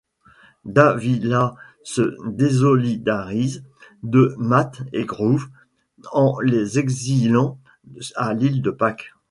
Dávila se désolidarise de Matte et Grove, en les exilant à l'Île de Pâques.